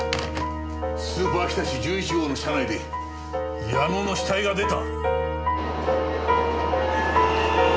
スーパーひたち１１号の車内で矢野の死体が出た！